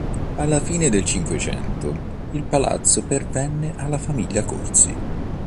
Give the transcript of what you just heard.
Alla fine del Cinquecento il palazzo pervenne alla famiglia Corsi.